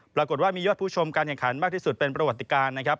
ปรากฏว่ามียอดผู้ชมการแข่งขันมากที่สุดเป็นประวัติการนะครับ